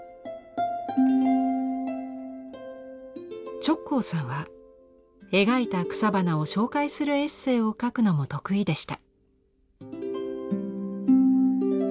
直行さんは描いた草花を紹介するエッセーを書くのも得意でした。